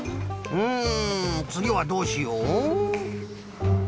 うんつぎはどうしよう。